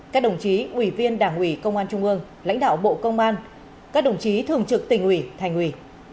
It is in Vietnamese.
các đồng chí ủy viên đảng ủy công an trung ương lãnh đạo bộ công an các đồng chí thường trực tỉnh ủy thành ủy